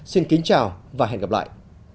xin kính chào và hẹn gặp lại